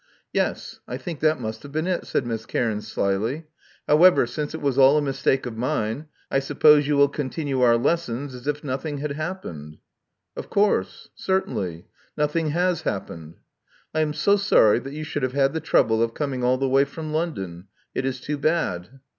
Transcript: Yes, I think that must have been it," said Miss Cairns, slyly. However, since it was all a mistake of mine, I suppose you will continue our lessons as if nothing had happened." Of course. Certainly. Nothing has happened." "I am so sorry that you should have had the trouble of coming all the way from London. It is too bad."